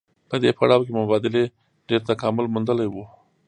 په دې پړاو کې مبادلې ډېر تکامل موندلی وو